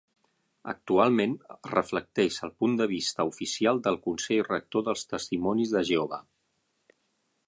Actualment reflecteix el punt de vista oficial del Consell Rector dels Testimonis de Jehovà.